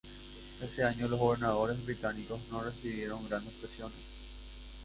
Ese año los gobernadores británicos no recibieron grandes presiones.